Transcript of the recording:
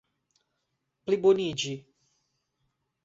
pliboniĝi